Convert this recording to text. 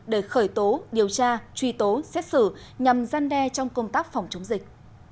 để khởi tố điều tra truy tố xét xử nhằm gian đe trong công tác phòng chống dịch